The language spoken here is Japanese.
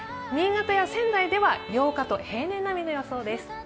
新潟や仙台では８日と平年並みの予想です。